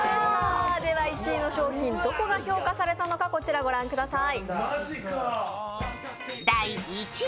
１位の商品、どこが評価されたのかこちらご覧ください。